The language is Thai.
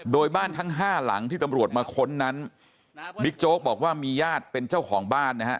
โดยบ้านทั้งห้าหลังที่ตำรวจมาค้นนั้นบิ๊กโจ๊กบอกว่ามีญาติเป็นเจ้าของบ้านนะฮะ